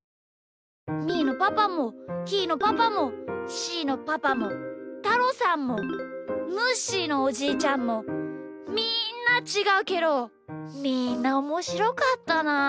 みーのパパもひーのパパもしーのパパもたろさんもムッシーのおじいちゃんもみんなちがうけどみんなおもしろかったな。